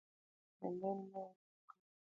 ایمیل مې ورته وکړ.